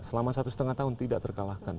selama satu setengah tahun tidak terkalahkan